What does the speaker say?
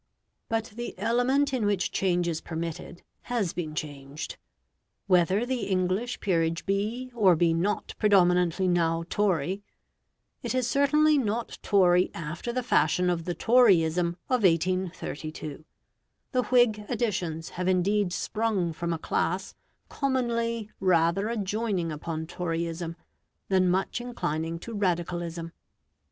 But the element in which change is permitted has been changed. Whether the English Peerage be or be not predominantly now Tory, it is certainly not Tory after the fashion of the Toryism of 1832. The Whig additions have indeed sprung from a class commonly rather adjoining upon Toryism, than much inclining to Radicalism.